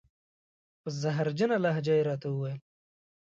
په زهرجنه لهجه یې را ته و ویل: